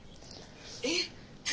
えっ？